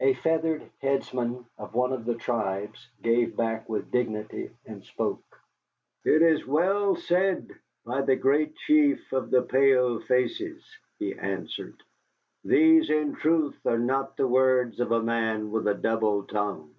A feathered headsman of one of the tribes gave back with dignity and spoke. "It is well said by the Great Chief of the Pale Faces," he answered; "these in truth are not the words of a man with a double tongue."